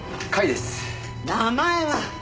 名前は？